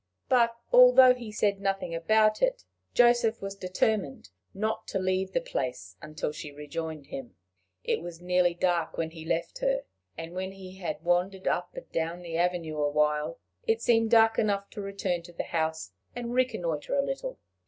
But, although he said nothing about it, Joseph was determined not to leave the place until she rejoined him. It was nearly dark when he left her; and when he had wandered up and down the avenue awhile, it seemed dark enough to return to the house, and reconnoiter a little.